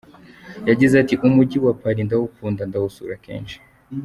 Yagize ati “Umujyi wa Paris ndawukunda, ndawusura kenshi.